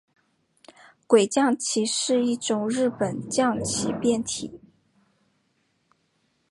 鬼将棋是一种日本将棋变体。